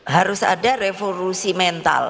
harus ada revolusi mental